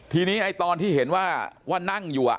ทีนี้ไอ้ตอนที่เห็นว่านั่งอยู่